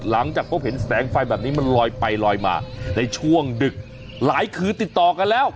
หลังจากพบเห็นแสงไฟแบบนี้มันลอยไปลอยมาในช่วงดึกหลายคืนติดต่อกันแล้ว